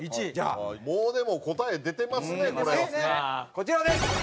こちらです！